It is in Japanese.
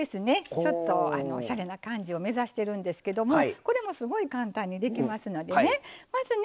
ちょっとおしゃれな感じを目指してるんですけどもこれもすごい簡単にできますのでね。